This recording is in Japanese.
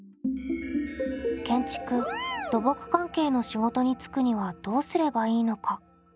建築・土木関係の仕事に就くにはどうすればいいのか？